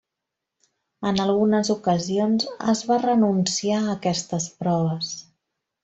En algunes ocasions es va renunciar a aquestes proves.